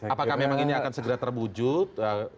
apakah memang ini akan segera terwujud